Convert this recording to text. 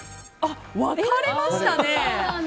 分かれましたね。